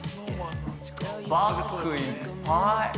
バッグいっぱい。